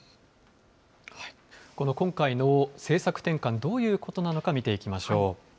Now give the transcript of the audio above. この今回の政策転換、どういうことなのか、見ていきましょう。